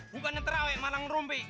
bukan ngeterawe malang merumpi